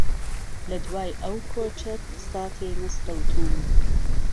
له دوای ئهو کۆچهت ساتێ نهسرهوتووم